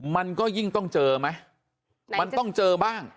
มันก็ยิ่งต้องเจอไหมมันต้องเจอบ้าง